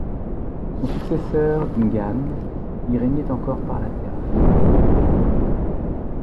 Son successeur Dingaan y régnait encore par la terreur.